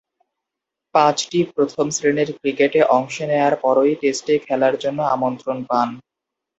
পাঁচটি প্রথম-শ্রেণীর ক্রিকেটে অংশ নেয়ার পরই টেস্টে খেলার জন্য আমন্ত্রণ পান।